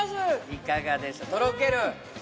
いかがでしょうとろける？